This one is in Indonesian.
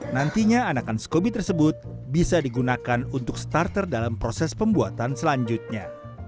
nantinya anakan skobi tersebut bisa digunakan untuk starter dalam proses pembuatan selanjutnya